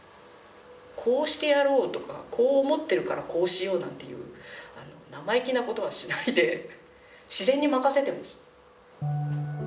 こうしてやろうとかこう思ってるからこうしようなんていう生意気なことはしないで自然に任せてます。